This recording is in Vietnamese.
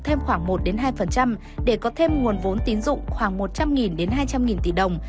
thêm khoảng một hai để có thêm nguồn vốn tín dụng khoảng một trăm linh hai trăm linh tỷ đồng